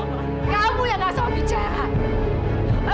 kamu yang langsung percaya sama